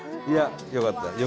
いやよかった。